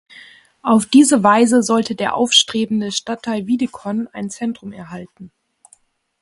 Auf diese Weise sollte der aufstrebende Stadtteil Wiedikon ein Zentrum erhalten.